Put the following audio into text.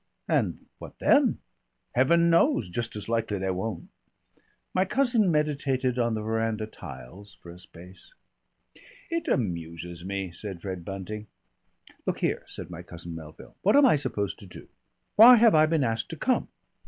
"And what then?" "Heaven knows! Just as likely they won't." My cousin meditated on the veranda tiles for a space. "It amuses me," said Fred Bunting. "Look here," said my cousin Melville, "what am I supposed to do? Why have I been asked to come?"